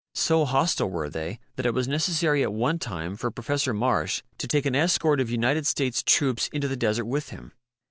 So hostile were they that it was necessary at one time for Professor Marsh to take an escort of United States troops into the desert with him.